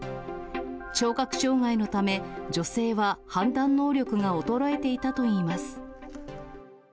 聴覚障がいのため、女性は判断能力が衰えていたといいます。